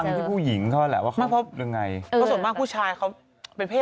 ที่ผู้หญิงเขาแหละว่าเขาไม่พบยังไงเพราะส่วนมากผู้ชายเขาเป็นเพศ